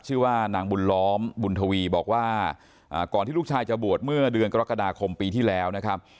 ชื่อว่านางบุญล้อมบุญทวีบอกว่าก่อนที่ลูกชายจะบวชเมื่อเดือนกรกฎาคมปีที่แล้วนะครับ